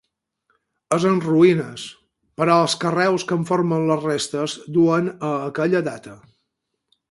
És en ruïnes, però els carreus que en formen les restes duen a aquella data.